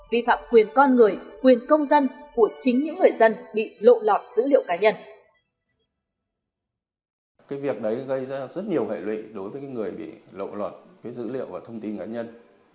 vi phạm quyền con người quyền công dân của chính những người dân bị lộ lọt dữ liệu cá nhân